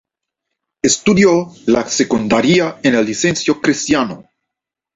Estudió la secundaria en el Liceo Cristiano.